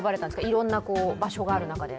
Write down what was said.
いろんな場所がある中で。